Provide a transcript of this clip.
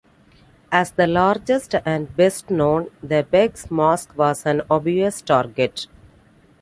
As the largest and best known, the Beg's mosque was an obvious target.